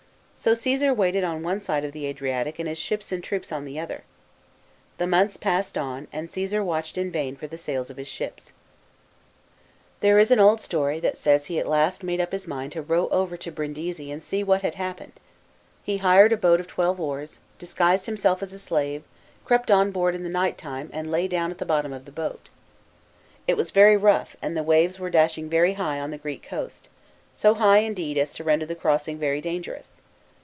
So Caesar waited on one side of the Adriatic and his ships and troops on the other. The months passed on and Caesar watched in vain for the sails of his ships. There is an old story that says he at last made itp his mind to row over to Brindisi and see what had happened. t?e hired a boat of twelve oars, disguised himself as a slave, crept on board in the night time, ^ind lay down at the bottom of the Jx>at. * It was very rough and the weaves were dashing very high on the Greek coast, so high, indeed, as to render the crossing very dangerous.